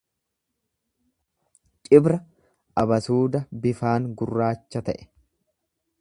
Cibra abasuuda bifaan gurraacha ta'e.